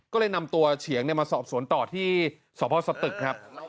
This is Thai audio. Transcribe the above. ก็เลยนำตัวเฉียงมาสอบสวนต่อที่สพสตึกครับ